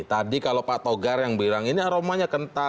tadi kalau pak togar yang bilang ini aromanya kental